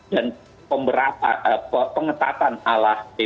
dan pengetatan ala tpc